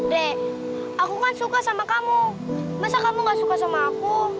dek aku kan suka sama kamu masa kamu gak suka sama aku